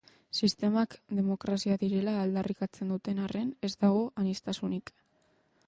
Sistemak demokrazia direla aldarrikatzen duten arren, ez dago aniztasunik.